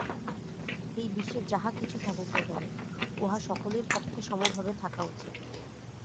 এই বিশ্বে যাহা কিছু থাকুক না কেন, উহা সকলের পক্ষে সমভাবে থাকা উচিত।